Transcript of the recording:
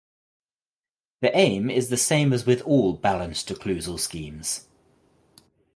The aim is the same as with all balanced occlusal schemes.